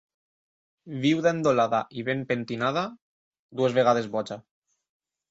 Viuda endolada i ben pentinada, dues vegades boja.